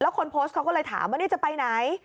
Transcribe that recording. คนโพสต์เขาก็เลยถามว่านี่จะไปไหน